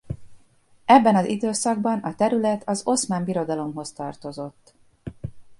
Ebben az időszakban a terület az Oszmán Birodalomhoz tartozott.